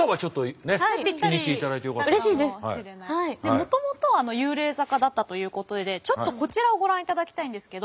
もともとは幽霊坂だったということでちょっとこちらをご覧いただきたいんですけど。